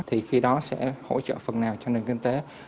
thì khi đó sẽ hỗ trợ phần nào cho nền kinh tế